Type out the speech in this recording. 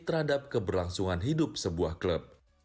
terhadap keberlangsungan hidup sebuah klub